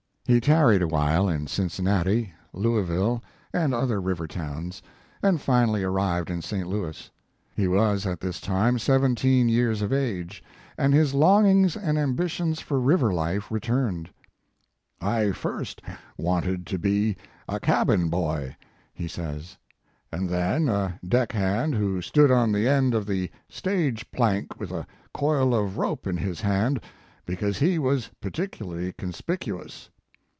He tarried awhile in Cincinnati, Louisville and other river towns, and finally arrived in St. Louis. He was at this time seven teen years of age, and his longings and ambitions for river life returned. I first wanted to be a cabin boy," he says, "and then a deck hand who stood on the end of the stage plank with a coil of rope in his hand, because he was particularly conspicuous.